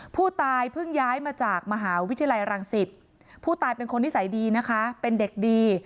ผู้ตายเพิ่งย้ายมาจากมหาวิทยาลัยรังสิตผู้ตายเป็นคนนิสัยดีนะคะเป็นเด็กดี